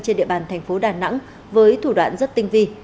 trên địa bàn thành phố đà nẵng với thủ đoạn rất tinh vi